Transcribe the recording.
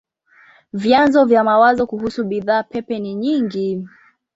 Vyanzo vya mawazo kuhusu bidhaa pepe ni nyingi.